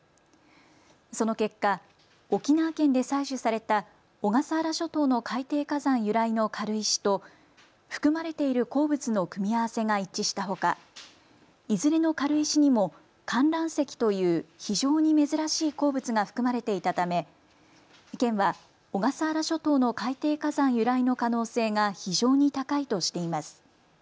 その結果、沖縄県で採取された小笠原諸島の海底火山由来の軽石と含まれている鉱物の組み合わせが一致したほか、いずれの軽石にもかんらん石という非常に珍しい鉱物が含まれていたため県は小笠原諸島の海底火山由来の可能性が非常に高いとしています。